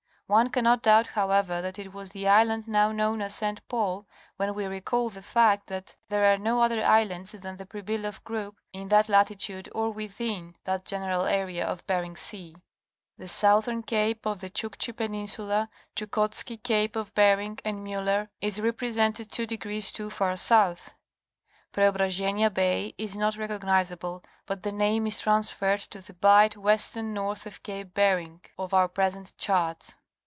One cannot doubt however that it was the island now known as St. Paul when we recall the fact that there are no other islands than the Pribiloff group, in that latitude or within that general area of Bering Sea. The southern Cape of the Chukchi Peninsula, Chukotski Cape of Bering and Miller is represented two degrees too far south. Preobra zhenia Bay is not recognizable but the name is transferred to the bight west and north of Cape Bering of our present charts.